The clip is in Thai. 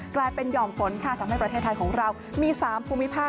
กลายเป็นหย่อมฝนค่ะทำให้ประเทศไทยของเรามี๓ภูมิภาค